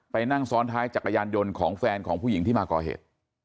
นั่งซ้อนท้ายจักรยานยนต์ของแฟนของผู้หญิงที่มาก่อเหตุ